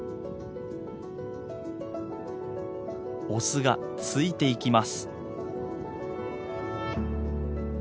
オスがついていきます。